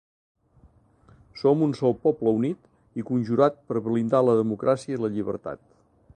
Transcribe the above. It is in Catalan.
Som un sol poble unit i conjurat per blindar la democràcia i la llibertat.